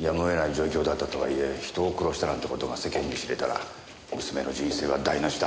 やむを得ない状況だったとはいえ人を殺したなんて事が世間に知れたら娘の人生は台無しだ。